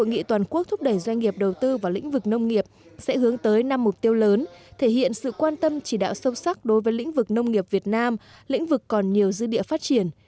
hội nghị toàn quốc thúc đẩy doanh nghiệp đầu tư vào lĩnh vực nông nghiệp sẽ hướng tới năm mục tiêu lớn thể hiện sự quan tâm chỉ đạo sâu sắc đối với lĩnh vực nông nghiệp việt nam lĩnh vực còn nhiều dư địa phát triển